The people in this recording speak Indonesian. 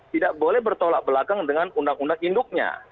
tidak boleh bertolak belakang dengan undang undang induknya